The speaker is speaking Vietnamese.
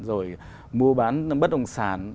rồi mua bán bất đồng sản